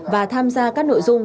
và tham gia các nội dung